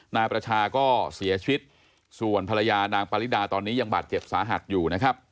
นายประชาก็เสียชีวิตส่วนภรรยานางปริดาตอนนี้ยังบาดเจ็บสาหัสอยู่นะครับ